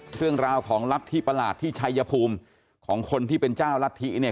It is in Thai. เรื่องราวของรัฐที่ประหลาดที่ชัยภูมิของคนที่เป็นเจ้ารัฐธิเนี่ย